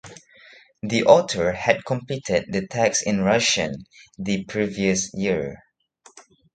The author had completed the text in Russian the previous year.